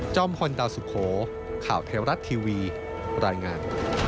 พลดาวสุโขข่าวเทวรัฐทีวีรายงาน